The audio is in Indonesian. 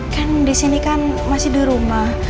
kan disini kan masih di rumah